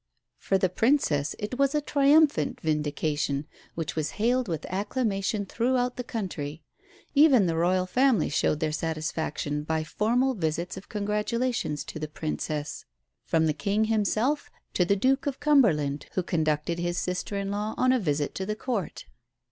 For the Princess it was a triumphant vindication, which was hailed with acclamation throughout the country. Even the Royal family showed their satisfaction by formal visits of congratulation to the Princess, from the King himself to the Duke of Cumberland who conducted his sister in law on a visit to the Court.